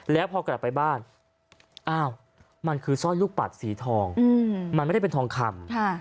แล้วกลับไปบ้านเป็นซ่อยลูกบัดสีทองไม่ได้เป็นทองคำ